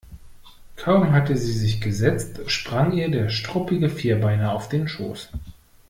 Kaum hatte sie sich gesetzt, sprang ihr der struppige Vierbeiner auf den Schoß.